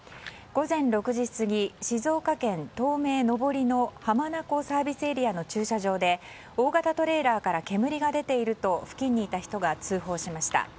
午前６時過ぎ静岡県、東名上りの浜名湖ＳＡの駐車場で大型トレーラーから煙が出ていると付近にいた人が通報しました。